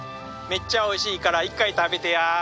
めっちゃおいしいから１回食べてや。